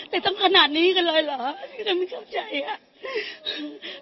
แต่ต้องขนาดนี้กันเลยเหรอที่เราไม่เข้าใจอ่ะ